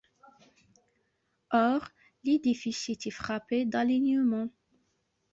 Or, l'édifice était frappé d'alignement.